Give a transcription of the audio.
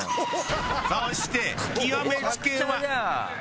そして極めつき。